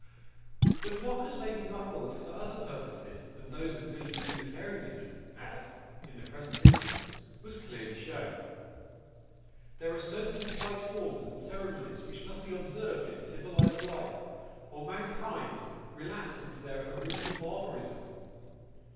But knockers may be muffled for other purposes than those of mere utilitarianism, as, in the present instance, was clearly shown. There are certain polite forms and ceremonies which must be observed in civilised life, or mankind relapse into their original barbarism.